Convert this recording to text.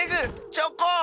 チョコン！